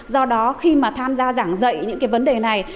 do đó khi mà tham gia giảng dạy những cái vấn đề này